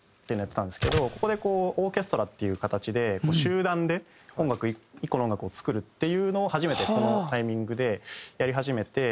ここでこうオーケストラっていう形で集団で１個の音楽を作るっていうのを初めてこのタイミングでやり始めて。